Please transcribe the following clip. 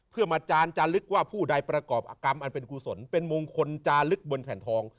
เพื่อมาจานจาลึกว่าผู้ใดประกอบอากรรมอันเป็นกุศลเป็นมงคลจาลึกบนแผ่นทอง